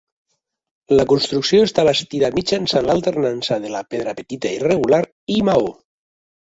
La construcció està bastida mitjançant l'alternança de la pedra petita irregular i maó.